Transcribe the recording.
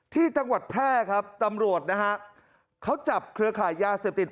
ที่จังหวัดแพร่ครับตำรวจนะฮะเขาจับเครือขายยาเสพติด